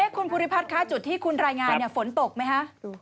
วาทิวคุณผู้ภิพัฒกาจุดที่คุณรายงานฝนตกไหมฮะ